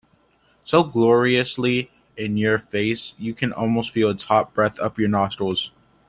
So gloriously in-yer-face you can almost feel its hot breath up your nostrils.